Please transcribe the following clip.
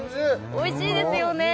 おいしいですよね